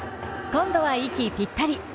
今度は息ぴったり。